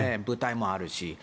舞台もあるし。